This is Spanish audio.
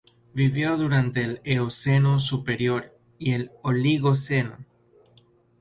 Vivió durante el Eoceno superior y el Oligoceno.